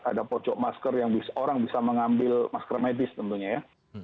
ada pocok masker yang orang bisa mengambil masker medis tentunya ya